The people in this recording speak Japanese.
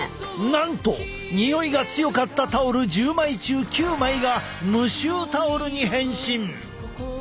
なんとにおいが強かったタオル１０枚中９枚が無臭タオルに変身！